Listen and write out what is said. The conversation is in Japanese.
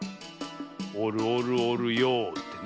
おるおるおるよってね。